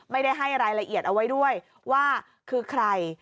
ไม่ได้ให้รายละเอียดเอาไว้ด้วยว่าคือใคร